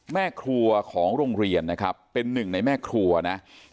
แม่ครัวของโรงเรียนนะครับเป็นหนึ่งในแม่ครัวนะ